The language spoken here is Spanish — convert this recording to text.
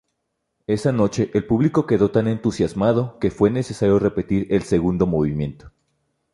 Esa noche el público quedó tan entusiasmado que fue necesario repetir el segundo movimiento.